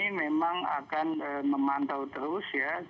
kami memang akan memantau terus ya